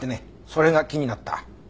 それが気になった。